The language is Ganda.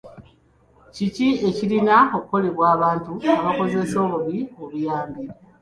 Ki ekirina okukolebwa abantu abakozesa obubi obuyambi?